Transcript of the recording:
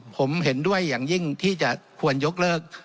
ผมเห็นด้วยอย่างยิ่งที่จะควรยกเลิก